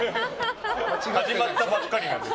始まったばっかりなので。